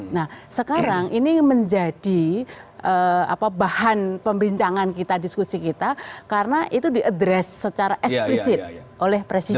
nah sekarang ini menjadi bahan pembincangan kita diskusi kita karena itu diadres secara eksplisit oleh presiden